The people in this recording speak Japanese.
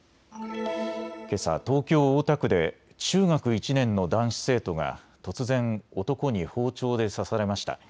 けさ東京大田区で中学１年の男子生徒が突然、男に包丁で刺されました。